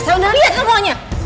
saya udah lihat nungguannya